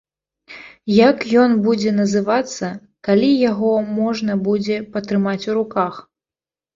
Як ён будзе называцца, калі яго можна будзе патрымаць у руках?